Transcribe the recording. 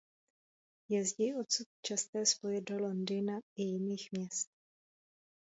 Jezdí odsud časté spoje do Londýna i jiných měst.